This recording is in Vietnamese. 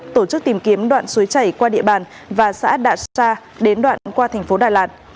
tổ chức tìm kiếm đoạn suối chảy qua địa bàn và xã đạ sa đến đoạn qua thành phố đà lạt